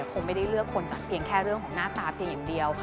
คงไม่ได้เลือกคนจัดเพียงแค่เรื่องของหน้าตาเพียงอย่างเดียว